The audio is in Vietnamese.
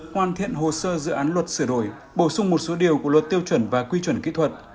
hoàn thiện hồ sơ dự án luật sửa đổi bổ sung một số điều của luật tiêu chuẩn và quy chuẩn kỹ thuật